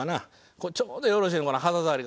これちょうどよろしいのこの肌触りが。